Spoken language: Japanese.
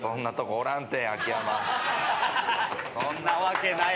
そんなわけない。